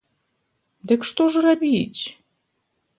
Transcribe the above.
Дык што ж рабіць?